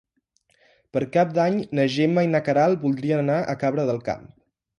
Per Cap d'Any na Gemma i na Queralt voldrien anar a Cabra del Camp.